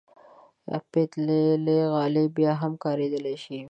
پتېلي غالۍ بیا هم کارېدلی شي.